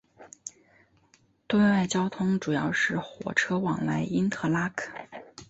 对外交通主要是火车往来因特拉肯。